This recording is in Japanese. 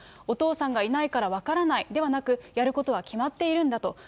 お父さんがいないから分からないではなく、やることは決まっているんだと。